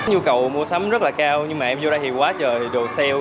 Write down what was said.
nhu cầu mua sắm rất là cao nhưng mà em vô đây thì quá trời đồ sale